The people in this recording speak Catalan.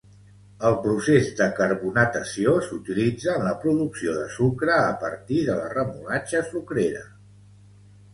El procés de carbonatació s'utilitza en la producció de sucre a partir de la remolatxa sucrera.